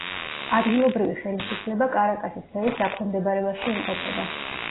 ადგილობრივი ხელისუფლება კარაკასის მერის დაქვემდებარებაში იმყოფება.